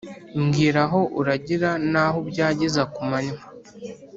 Mbwira aho uragira n’aho ubyagiza ku manywa